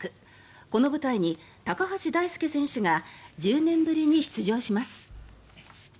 この舞台に高橋大輔選手が１０年ぶりに出場します。